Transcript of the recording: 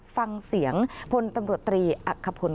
ฟังเสียงพลตำรวจตรีอักขพล